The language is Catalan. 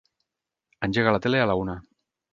Engega la tele a la una.